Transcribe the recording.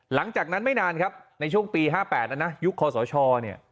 หลังจากนั้นไม่นานครับในช่วงปี๕๘นะนะยุคคอสชเนี่ย